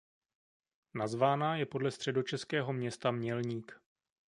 Nazvána je podle středočeského města Mělník.